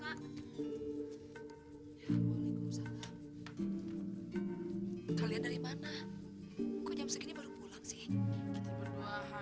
kalian dari mana kok jam segini baru pulang sih berdua